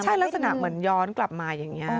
ใช่ลักษณะเหมือนย้อนกลับมาอย่างนี้